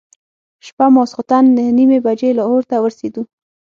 شپه ماخوستن نهه نیمې بجې لاهور ته ورسېدو.